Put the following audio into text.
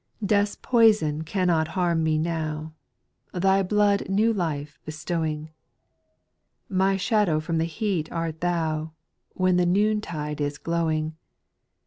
Death's poison cannot harm me now, Thy blood new life bestowing ; My shadow from the heat art Thou, When the noon tide is glowing.